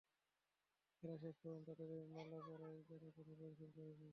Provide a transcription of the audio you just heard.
খেলা শেষ পর্যন্ত তাদেরই মালা পরায়, যারা কঠিন পরিশ্রম করে যায়।